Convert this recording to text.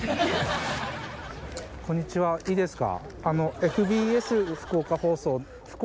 こんにちはいいですか？